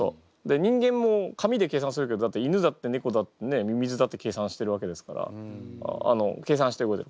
人間も紙で計算するけどだって犬だって猫だってミミズだって計算してるわけですから計算して動いてる。